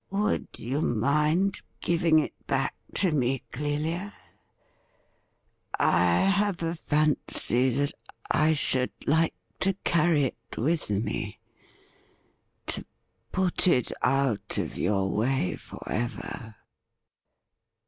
' Would you mind giving it back to me, Clelia ? I have a fancy that I should like to carry it with me — to put it out of your way for ever.